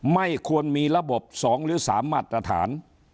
ไม่ควรมีระบบ๒หรือ๓มาตรฐาน